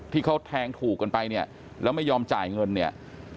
ที่เขาแทงถูกกันไปเนี่ยแล้วไม่ยอมจ่ายเงินเนี่ย